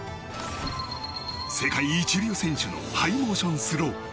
世界一流選手のハイモーションスロー。